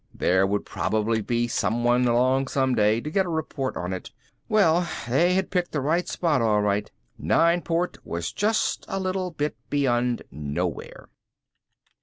There would probably be someone along some day to get a report on it. Well, they had picked the right spot all right. Nineport was just a little bit beyond nowhere.